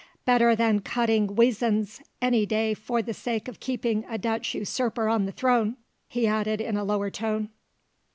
Better than cutting weasands any day for the sake of keeping a Dutch usurper on the throne," he added in a lower tone.